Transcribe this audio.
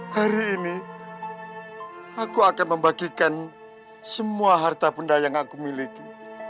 hari ini aku akan membagikan semua harta benda yang aku miliki